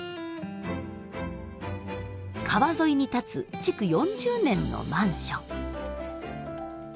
川沿いに立つ築４０年のマンション。